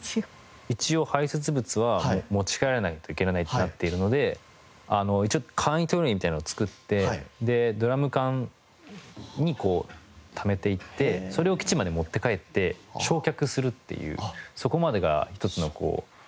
一応排泄物は持ち帰らないといけないってなっているので一応簡易トイレみたいなのを作ってドラム缶にこうためていってそれを基地まで持って帰って焼却するっていうそこまでが一つのこう。